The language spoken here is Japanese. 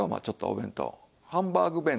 ちょっとお弁当ハンバーグ